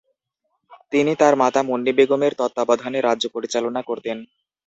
তিনি তার মাতা মুন্নী বেগমের তত্ত্বাবধানে রাজ্য পরিচালনা করতেন।